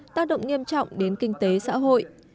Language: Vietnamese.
tác động nghiêm trọng đến kinh tế xã hội